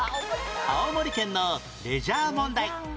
青森県のレジャー問題